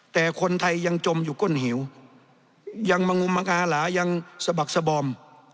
แต่คนไทยยังจมอยู่ก้นหิวยังมางมังอาหลายังสะบักสบอม